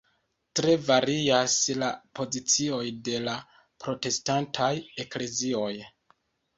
Tre varias la pozicioj de la protestantaj Eklezioj.